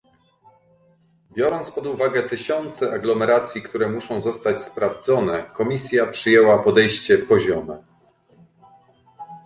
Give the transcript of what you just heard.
Biorąc pod uwagę tysiące aglomeracji, które muszą zostać sprawdzone, Komisja przyjęła podejście poziome